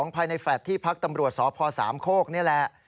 ภายในแฟลต์ที่พักตำรวจสพสามโคกนี่แหละ